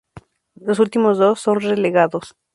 Los últimos dos, son relegados.